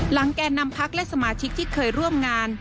แก่นำพักและสมาชิกที่เคยร่วมงาน